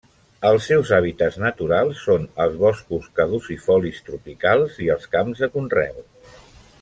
Els seus hàbitats naturals són els boscos caducifolis tropicals i els camps de conreu.